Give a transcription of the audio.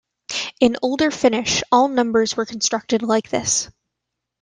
In older Finnish, all numbers were constructed like this.